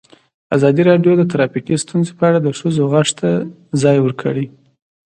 ازادي راډیو د ټرافیکي ستونزې په اړه د ښځو غږ ته ځای ورکړی.